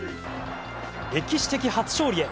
歴史的初勝利へ。